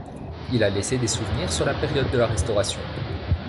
Il a laissé des souvenirs sur la période de la Restauration.